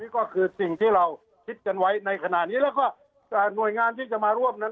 ก็คือสิ่งที่เราคิดกันไว้ในขณะนี้แล้วก็หน่วยงานที่จะมาร่วมนั้น